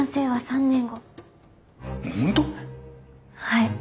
はい。